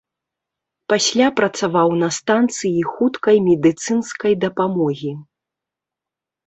Пасля працаваў на станцыі хуткай медыцынскай дапамогі.